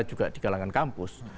juga di kalangan kampus